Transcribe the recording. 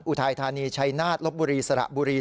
อุทัยธานีชัยนาฏลบบุรีสระบุรี